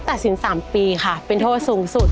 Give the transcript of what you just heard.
ตัดสิน๓ปีค่ะเป็นโทษสูงสุด